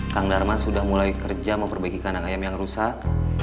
kang darman sudah mulai kerja memperbaiki kandang ayam yang rusak